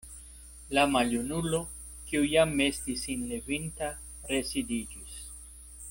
La maljunulo, kiu jam estis sin levinta, residiĝis.